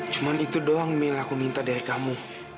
cuman itu doang mil aku minta dari kamu